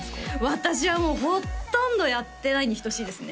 私はもうほとんどやってないに等しいですね